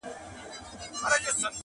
تر لحده به دي ستړی زکندن وي؛